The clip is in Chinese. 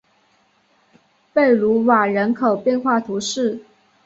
贝卢瓦人口变化图示